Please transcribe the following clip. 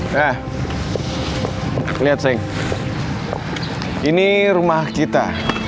nah lihat sayang ini rumah kita